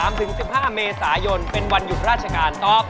วันที่๑๓๑๕เมษายนเป็นวันหยุดราชการต๊อป